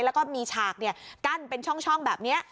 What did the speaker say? แล้วก็มีฉากกั้นเป็นช่องแบบนี้